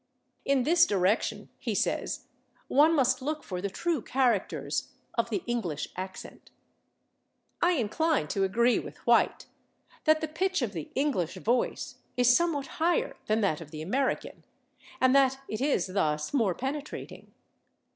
In this direction, he says, one must look for the true characters "of the English accent." I incline to agree with White, that the pitch of the English voice is somewhat higher than that of the American, and that it is thus more penetrating.